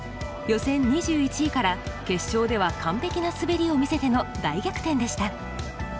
予選２１位から決勝では完璧な滑りを見せての大逆転でした。